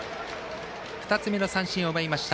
２つ目の三振を奪いました。